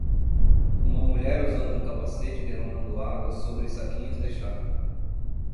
Uma mulher usando um capacete derramando água sobre saquinhos de chá.